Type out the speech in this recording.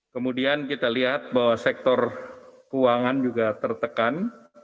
kemudian kita lihat bahwa sektor keuangan juga tertekan